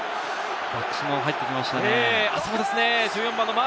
バックスも入ってきましたね！